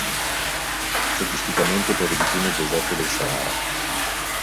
Statisticamente piove di più nel deserto del Sahara.